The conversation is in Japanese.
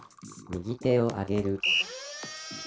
「右手を上げる」ピッ。